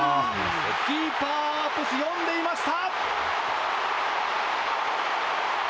キーパー読んでいました！